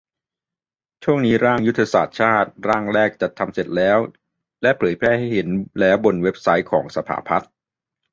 ช่วงนี้ร่าง ยุทธศาสตร์ชาติ ร่างแรกจัดทำเสร็จแล้ว และเผยแพร่ให้เห็นแล้วบนเว็บไซต์ของสภาพัฒน์